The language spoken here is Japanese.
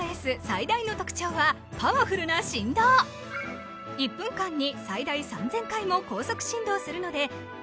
最大の特徴はパワフルな振動１分間に最大３０００回も高速振動するのですることで